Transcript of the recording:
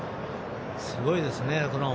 すごいですね。